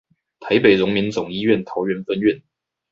台北榮民總醫院桃園分院